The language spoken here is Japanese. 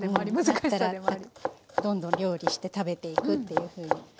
だったらどんどん料理して食べていくっていうふうに。